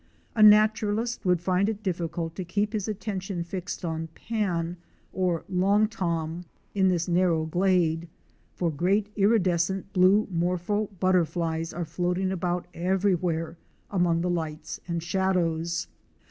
A naturalist would find it difficult to keep his attention fixed on '"'Pan" or "Long Tom" in this narrow glade, for great iridescent blue morpho butterflies are floating about everywhere among the lights and shadows.